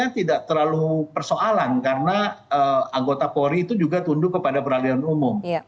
jadi itu tidak terlalu persoalan karena anggota polri itu juga tunduk kepada peradilan umum